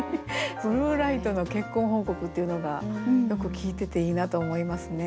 「ブルーライトの結婚報告」っていうのがよく効いてていいなと思いますね。